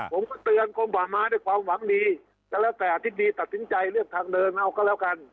ผมก็เตือนกลมป่าไม้ด้วยความหวังดีก็แล้วแต่อธิบดีตัดสินใจเลือกทางเดินเอาก็แล้วกัน